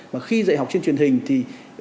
mà khi dạy học trên truyền hình thì